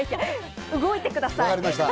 動いてください。